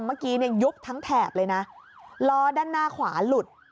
เมื่อกี้เนี่ยยุบทั้งแถบเลยนะล้อด้านหน้าขวาหลุด